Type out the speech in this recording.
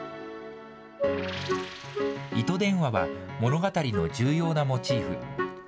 糸電話は、物語の重要なモチーフ。